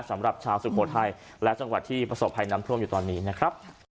สำหรับชาวสุโขทัยและจังหวัดที่ประสบภัยน้ำท่วมอยู่ตอนนี้นะครับ